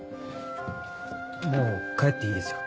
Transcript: もう帰っていいですよ。